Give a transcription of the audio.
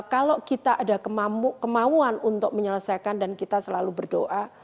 kalau kita ada kemauan untuk menyelesaikan dan kita selalu berdoa